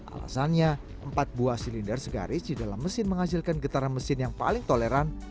alasannya empat buah silinder segaris di dalam mesin menghasilkan getaran mesin yang paling toleran